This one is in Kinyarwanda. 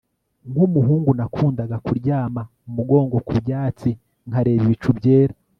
nkumuhungu, nakundaga kuryama umugongo ku byatsi nkareba ibicu byera